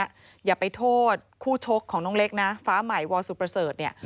อย่าไปโทษคู่ชกของน้องเล็กนะฟ้าใหม่วอลซูปเปอร์เซิร์ต